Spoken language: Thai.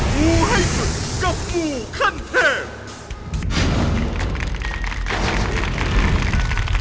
หมูให้สุดกับหมู่คั้นแทบ